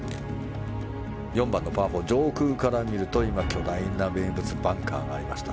４番のパー４は上空から見ると巨大な名物バンカーがありました。